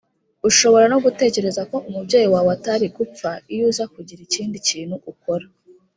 ushobora no gutekereza ko umubyeyi wawe atari gupfa iyo uza kugira ikindi kintu ukora